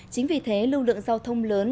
chính vì thế lưu lượng giao thông lớn